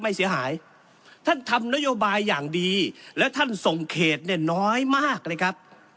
ไม่เสียหายท่านทำนโยบายอย่างดีและท่านส่งเขตเนี่ยน้อยมากเลยครับ